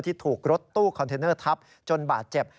ที่ถูกรถตู้คอนเทนเนอร์ทับจนบาดเจ็บ